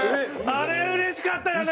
あれうれしかったよね！